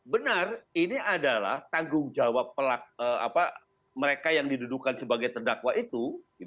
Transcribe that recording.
benar ini adalah tanggung jawab mereka yang didudukan sebagai terdakwa itu